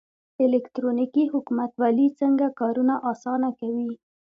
الکترونیکي حکومتولي څنګه کارونه اسانه کوي؟